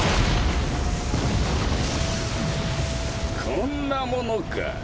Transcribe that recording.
こんなものか。